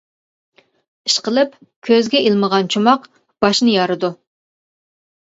ئىشقىلىپ كۆزگە ئىلمىغان چوماق، باشنى يارىدۇ.